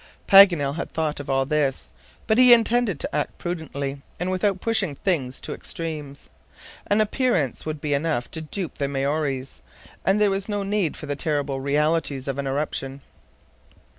Paganel had thought of all this; but he intended to act prudently and without pushing things to extremes. An appearance would be enough to dupe the Maories, and there was no need for the terrible realities of an eruption.